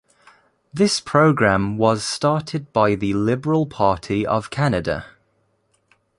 This program was started by the Liberal Party of Canada.